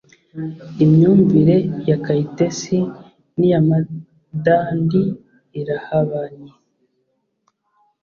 imyumvire ya kayitesi n’iya madandi irahabanye